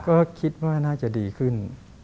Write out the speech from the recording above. ก็คิดว่าน่าจะดีขึ้น